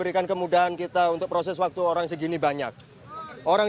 diwajibkan sima umum ayolah diberikan kemudahan kita untuk proses waktu orang segini banyak orang